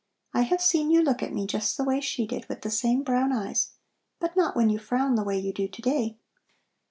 I have seen you look at me just the way she did, with the same brown eyes; but not when you frown the way you do to day.